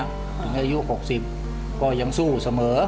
อายุ๖๐ก็ยังสู้เสมอ